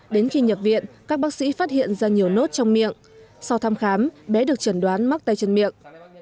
đến khi nhập viện các bác sĩ phát hiện ra nhiều nốt trong miệng sau thăm khám bé được trần đoán mắc tay chân miệng